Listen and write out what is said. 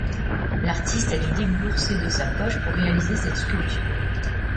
L'artiste a du débourser de sa poche pour réaliser cette sculpture.